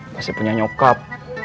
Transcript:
masih punya nyokap